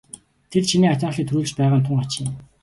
Тэр чиний атаархлыг төрүүлж байгаа нь тун хачин юм.